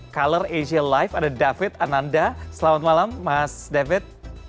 color asia live ada david ananda selamat malam mas david